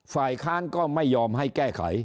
ฝ่ายค้านก็ไม่ยอมให้แก้ไข